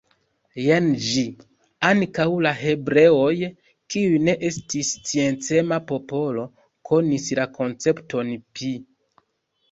Jen ĝi: Ankaŭ la hebreoj, kiuj ne estis sciencema popolo, konis la koncepton pi.